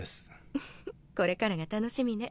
ウフっこれからが楽しみね。